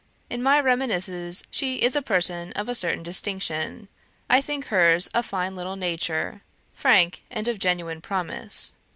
In my reminiscences she is a person of a certain distinction. I think hers a fine little nature, frank and of genuine promise.